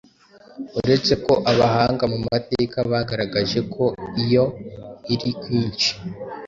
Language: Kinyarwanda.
Uretse ko abahanga mu mateka bagaragaje ko iyo iri kwinshi